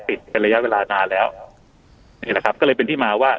เป็นระยะเวลานานแล้วนี่แหละครับก็เลยเป็นที่มาว่า